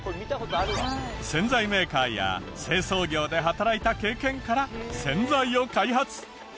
洗剤メーカーや清掃業で働いた経験から洗剤を開発。